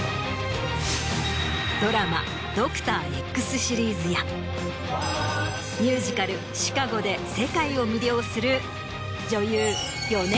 ドラマ『ドクターＸ』シリーズやミュージカル『シカゴ』で世界を魅了する。